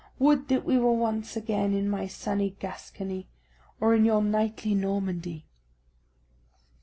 Would that we were once again in my sunny Gascony, or in your knightly Normandy!"